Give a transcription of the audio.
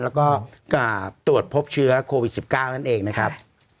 แล้วก็ตรวจพบเชื้อโควิด๑๙นั่นเองนะครับ